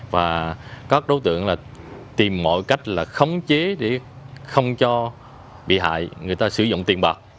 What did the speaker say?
và các đối tượng tìm mọi cách là khống chế để không cho bị hại người ta sử dụng tiền bạc